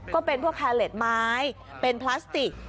ก็เป็นพวกแฮเล็ตไม้เป็นพลาสติก